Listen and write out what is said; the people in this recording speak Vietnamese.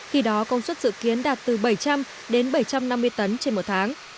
khi đó công suất dự kiến đạt từ bảy trăm linh đến bảy trăm năm mươi tấn trên một tháng